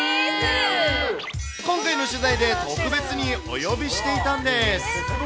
今回の取材で特別にお呼びしていたんです。